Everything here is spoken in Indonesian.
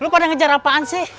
lu pada ngejar apaan sih